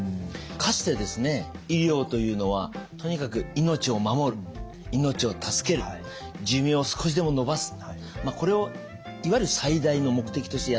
かつてですね医療というのはとにかく命を守る命を助ける寿命を少しでも延ばすこれをいわゆる最大の目的としてやってきたんですよね。